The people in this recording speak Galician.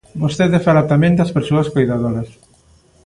Vostede fala tamén das persoas coidadoras.